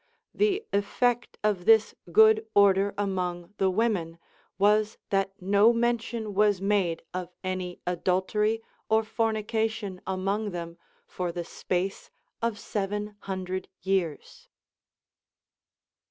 The eifect of this good order among the Avomen Λvas that no mention was made of any adultery or fornication among them for the space of seven hundred years.